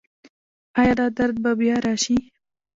ایا دا درد به بیا راشي؟